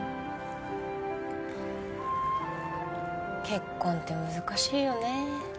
結婚って難しいよね。